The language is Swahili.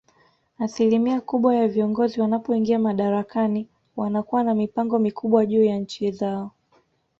Asilimia kubwa ya viongozi wanapoingia madarakani wanakuwa na mipango mikubwa juu ya nchi zao